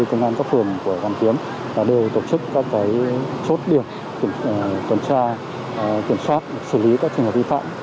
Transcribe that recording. công an phường của hoàn kiếm đã đều tổ chức các cái chốt điểm kiểm tra kiểm soát xử lý các trường hợp vi phạm